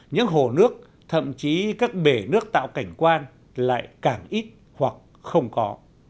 những hồ nước thậm chí các bể nước tạo cảnh quan lại càng ít hoặc không có